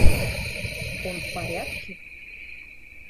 Он в порядке?